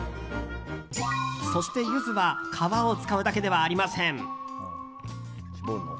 そして、ユズは皮を使うだけではありません。